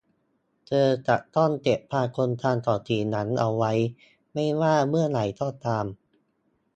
เธอจะต้องเก็บความทรงจำของสีนั้นเอาไว้ไม่ว่าเมื่อใดก็ตาม